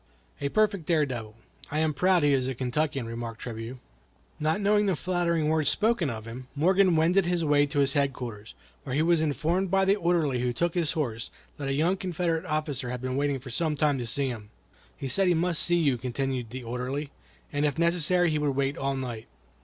"A perfect dare devil. I am proud he is a Kentuckian," remarked Trabue. Not knowing the flattering words spoken of him, Morgan wended his way to his headquarters, where he was informed by the orderly who took his horse that a young Confederate officer had been waiting for some time to see him. "He said he must see you," continued the orderly, "and if necessary he would wait all night."